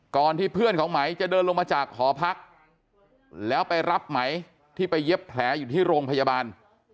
ก่อนที่เพื่อนของไหมจะเดินลงมาจากหอพักแล้วไปรับไหมที่ไปเย็บแผลอยู่ที่โรงพยาบาล